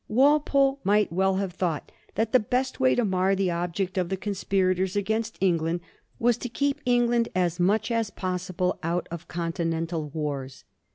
Walpole might well have thought that the best way to mar the object of the conspirators against England was to keep England as much as possible out of continental wars.